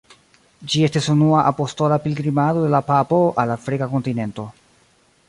Ĝi estis unua apostola pilgrimado de la papo al Afrika kontinento.